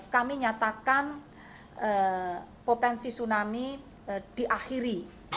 kami nyatakan potensi tsunami diakhiri